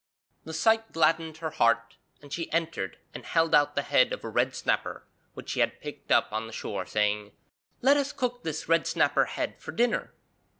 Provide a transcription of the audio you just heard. The sight gladdened her heart, and she entered and held out the head of a red snapper which she had picked up on the shore, saying, 'Let us cook this red snapper head for dinner.'